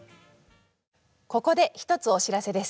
ここで一つお知らせです。